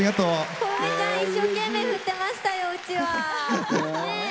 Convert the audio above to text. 幸芽ちゃん一生懸命、振ってましたよ。